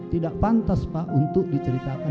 tidak pantas pak untuk diceritakan